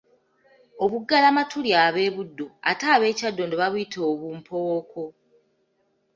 Obuggalamatu lya b'e Buddu ate ab'e Kyaddondo babuyita obumpowooko.